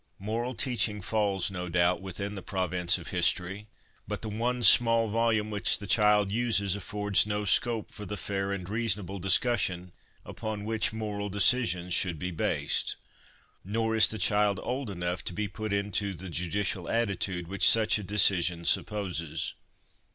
Moral teaching falls, no doubt, within the province of history ; but the one small volume which the child uses affords no scope for the fair and reasonable discussion upon which moral decisions should be based, nor is the child old enough to be put into the judicial attitude which such a decision supposes.